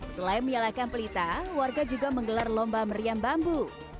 selain menyalakan pelita warga juga menggelar lomba meriam bambu